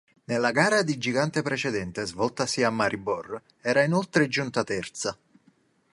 Nella gara di gigante precedente, svoltasi a Maribor, era inoltre giunta terza.